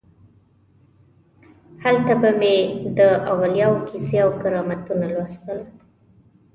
هلته به مې د اولیاو کیسې او کرامتونه لوستل.